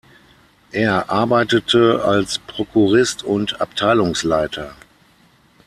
Er arbeitete als Prokurist und Abteilungsleiter.